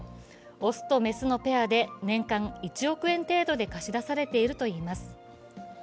雄と雌のペアで年間１億円程度で貸し出されているといいます。